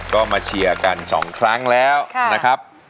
ก็มาเชียร์กัน๒ครั้งแล้วนะครับ